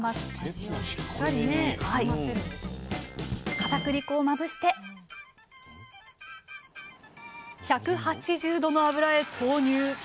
かたくり粉をまぶして１８０℃の油へ投入！